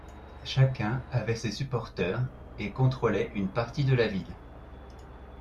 Chacun avait ses supporteurs et contrôlait une partie de la ville.